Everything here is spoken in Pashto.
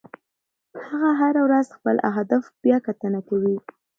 هغه هره ورځ خپل اهداف بیاکتنه کوي.